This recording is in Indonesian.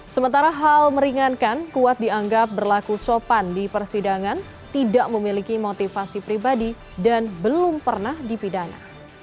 sementara hal meringankan kuat dianggap berlaku sopan di persidangan tidak memiliki motivasi pribadi dan belum pernah dipidana